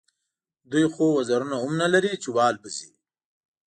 دوی خو وزرونه هم نه لري چې والوزي.